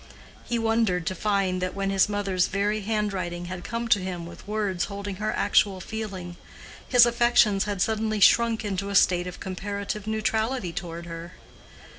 He wondered to find that when this mother's very handwriting had come to him with words holding her actual feeling, his affections had suddenly shrunk into a state of comparative neutrality toward her.